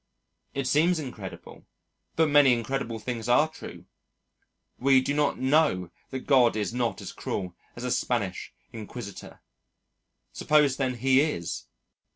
It seems incredible, but many incredible things are true. We do not know that God is not as cruel as a Spanish inquisitor. Suppose, then, He is!